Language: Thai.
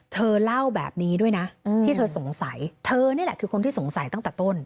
เธอเล่าแบบนี้ด้วยนะที่เธอสงสัยเธอนี่แหละคือคนที่สงสัยตั้งแต่ต้น